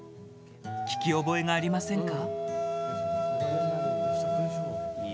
聞き覚えがありませんか？